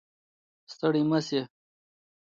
ستړی مه شې